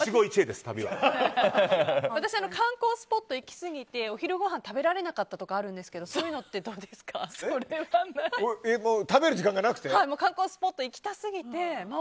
私は観光スポット行き過ぎてお昼ごはん食べられなかったとかあるんですけどだから旦那さん